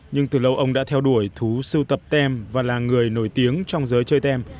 nhưng từ lâu ông đã theo đuổi thú sưu tập tem và là người nổi tiếng trong giới chơi tem